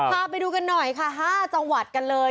พาไปดูกันหน่อยค่ะ๕จังหวัดกันเลย